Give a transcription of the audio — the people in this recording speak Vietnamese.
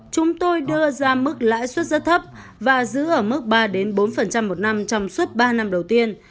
chúng tôi đưa ra mức lãi suất rất thấp và giữ ở mức ba bốn một năm trong suốt ba năm đầu tiên